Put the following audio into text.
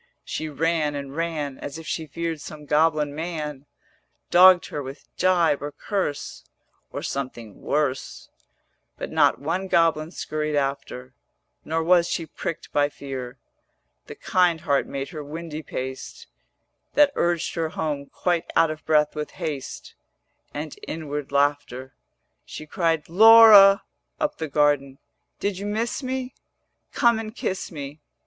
She ran and ran As if she feared some goblin man Dogged her with gibe or curse Or something worse: But not one goblin skurried after, Nor was she pricked by fear; 460 The kind heart made her windy paced That urged her home quite out of breath with haste And inward laughter. She cried 'Laura,' up the garden, 'Did you miss me? Come and kiss me.